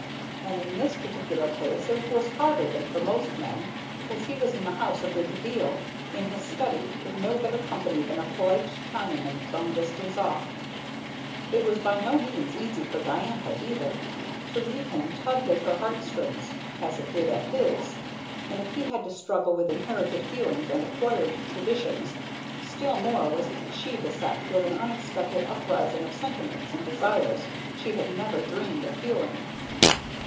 And in this particular case it was harder than for most men, because he was in the house a good deal, in his study, with no better company than a polite Chinaman some distance off. It was by no means easy for Diantha, either. To leave him tugged at her heart strings, as it did at his; and if he had to struggle with inherited feelings and acquired traditions, still more was she beset with an unexpected uprising of sentiments and desires she had never dreamed of feeling.